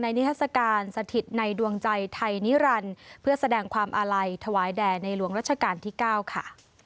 นิทัศกาลสถิตในดวงใจไทยนิรันดิ์เพื่อแสดงความอาลัยถวายแด่ในหลวงรัชกาลที่๙ค่ะ